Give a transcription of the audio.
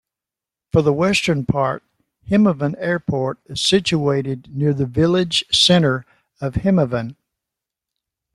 For the western part, Hemavan Airport is situated near the village centre of Hemavan.